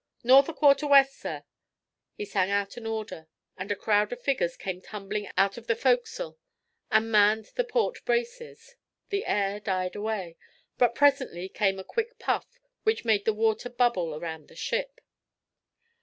"North a quarter west, sir." He sang out an order, and a crowd of figures came tumbling out of the forecastle and manned the port braces. The air died away, but presently came a quick puff which made the water bubble around the ship.